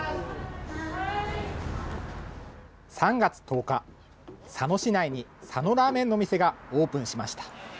３月１０日、佐野市内に、佐野ラーメンの店がオープンしました。